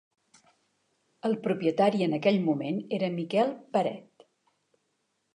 El propietari en aquell moment era Miquel Paret.